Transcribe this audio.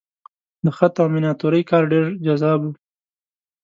د خط او میناتورۍ کار ډېر جذاب و.